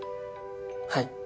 はい。